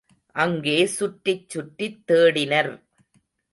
அங்கே சுற்றித் சுற்றித் தேடினர்.